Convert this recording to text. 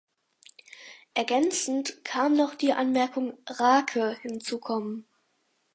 Ergänzend kann noch die Anmerkung „Rake“ hinzukommen.